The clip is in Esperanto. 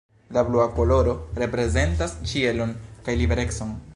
La blua koloro reprezentas ĉielon kaj liberecon.